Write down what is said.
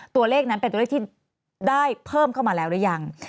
ตัวเลขนั้นเป็นตัวเลขที่ได้เพิ่มเข้ามาแล้วหรือยัง